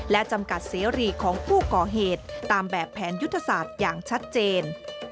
และจำกัดเสรีของผู้ก่อเหตุตามแบบแผนยุทธศาสตร์อย่างชัดเจน